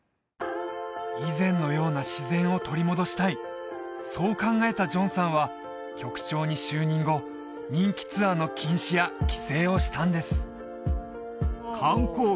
以前のような自然を取り戻したいそう考えたジョンさんは局長に就任後人気ツアーの禁止や規制をしたんです観光業がストップしている今しかないと思いました